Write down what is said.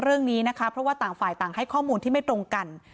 เรื่องนี้นะคะเพราะว่าต่างฝ่ายต่างให้ข้อมูลที่ไม่ตรงกัน